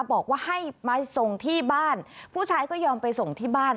บอกว่าให้มาส่งที่บ้านผู้ชายก็ยอมไปส่งที่บ้าน